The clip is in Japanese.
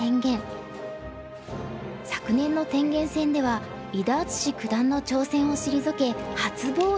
昨年の天元戦では伊田篤史九段の挑戦を退け初防衛。